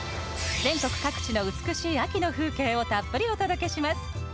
全国各地の美しい秋の風景をたっぷりお届けします。